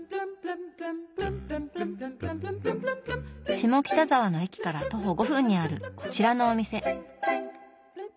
下北沢の駅から徒歩５分にあるこちらのお店。